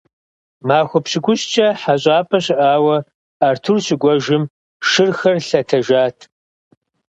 Махуэ пщыкӀущкӀэ хьэщӀапӀэ щыӀауэ Артур щыкӀуэжым, шырхэр лъэтэжат.